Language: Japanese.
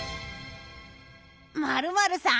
○○さん？